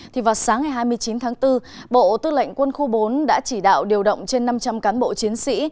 thì vào sáng ngày hai mươi chín tháng bốn bộ tư lệnh quân khu bốn đã chỉ đạo điều động trên năm trăm linh cán bộ chiến sĩ